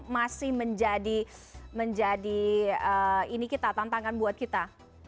masih menjadi ini kita tantangan buat kita